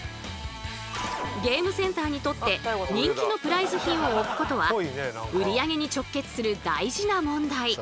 ゲームセンターにとって人気のプライズ品を置くことは売り上げに直結する大事な問題。